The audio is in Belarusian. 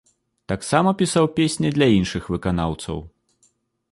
Таксама пісаў песні для іншых выканаўцаў.